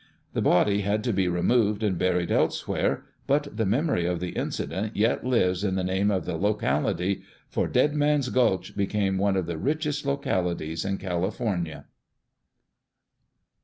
The body had to be removed and buried else where, but the memory of the incident yet lives in the name of the locality, for " Dead Man's Gulch" became one of the richest localities in California.